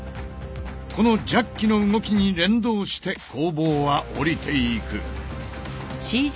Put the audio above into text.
このジャッキの動きに連動して鋼棒はおりていく。